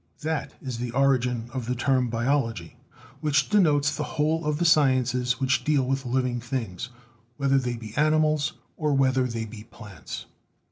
That is the origin of the term "Biology," which denotes the whole of the sciences which deal with living things, whether they be animals or whether they be plants.